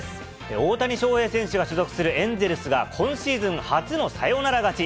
大谷翔平選手が所属するエンゼルスが、今シーズン初のサヨナラ勝ち。